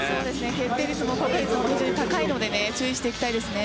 決定率も非常に高いので注意していきたいですね。